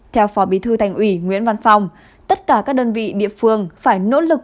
theo phó bí thư thành ủy nguyễn văn phong tất cả các đơn vị địa phương phải nỗ lực